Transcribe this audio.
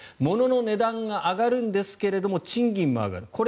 ものの値段が上がるんですが賃金も上がる。